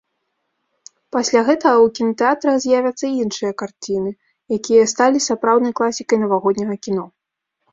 Пасля гэтага ў кінатэатрах з'явяцца і іншыя карціны, якія сталі сапраўднай класікай навагодняга кіно.